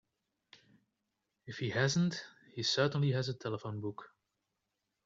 If he hasn't he certainly has a telephone book.